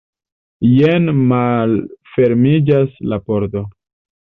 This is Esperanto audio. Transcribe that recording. Jen malfermiĝas la pordo.